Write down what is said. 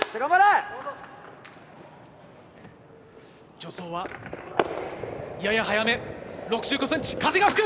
助走はやや速め、６５センチ、風が吹く。